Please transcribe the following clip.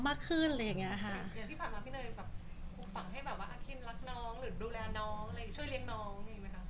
หรือดูแลน้องช่วยเลี้ยงน้องไหมคะ